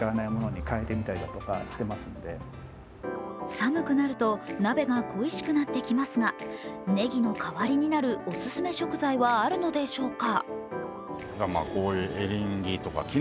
寒くなると鍋が恋しくなってきますがねぎの代わりになるおすすめ食材はあるのでしょうか？